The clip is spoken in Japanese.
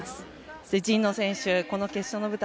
そして神野選手この決勝の舞台